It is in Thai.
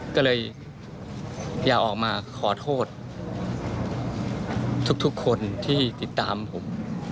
ก็เลยอย่าออกมาขอโทษทุกคนที่ติดตามผม